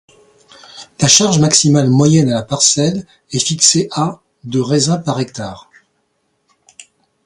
La charge maximale moyenne à la parcelle est fixée à de raisin par hectare.